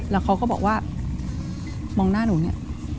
แล้วเขาก็บอกว่ามองหน้าหนูเนี่ย